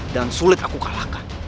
dan sulit aku kalahkan